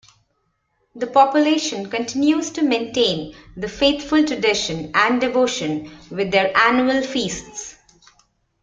The population continues to maintain the faithful tradition and devotion, with their annual feasts.